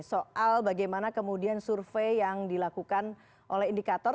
soal bagaimana kemudian survei yang dilakukan oleh indikator